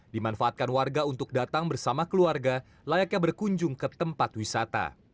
dimanfaatkan warga untuk datang bersama keluarga layaknya berkunjung ke tempat wisata